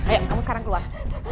ayo kamu sekarang keluar